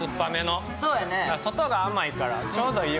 外が甘いからちょうどいい。